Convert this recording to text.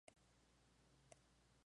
Fue desarrollado por Kai Fu-Lee.